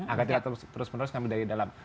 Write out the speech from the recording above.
agar tidak terus menerus kami dari dalam